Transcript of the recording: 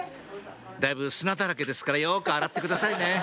だいぶ砂だらけですからよく洗ってくださいね